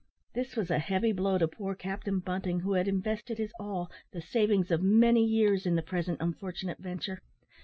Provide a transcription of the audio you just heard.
This was a heavy blow to poor Captain Bunting, who had invested his all the savings of many years in the present unfortunate venture.